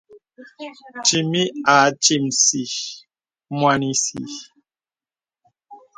Cìmì à acìmsì mwānī sì.